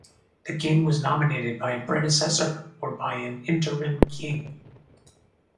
The king was nominated by a predecessor or by an interim king.